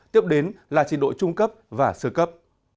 tiếp đến là trình độ trung cấp và sơ cấp